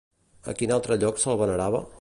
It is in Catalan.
A quin altre lloc se'l venerava?